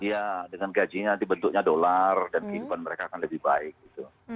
iya dengan gajinya nanti bentuknya dolar dan kehidupan mereka akan lebih baik gitu